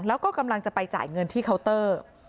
แล้วก็กำลังจะไปจ่ายเงินที่เคาน์เตอร์